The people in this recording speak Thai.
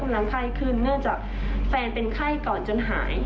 คือตอนนี้กำลังไข้ขึ้นเนื่องจากแฟนเป็นไข้ก่อนจนหาย